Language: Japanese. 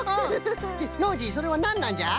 ノージーそれはなんなんじゃ？